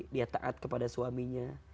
dia taat kepada suaminya